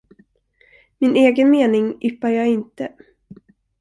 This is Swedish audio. Min egen mening yppar jag inte.